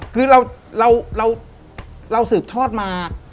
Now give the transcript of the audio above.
คือเราสืบทอดมา